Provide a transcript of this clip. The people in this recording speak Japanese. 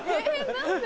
何で？